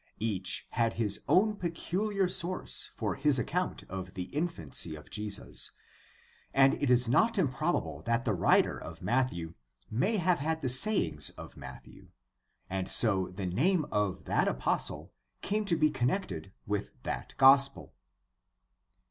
Each had his own peculiar source for his account of the infancy of Jesus, and it is not improbable that the writer of Matthew may have had the Sayings of Matthew, and so the name of that apostle came to be con nected with that gospel.